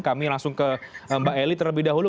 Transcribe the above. kami langsung ke mbak eli terlebih dahulu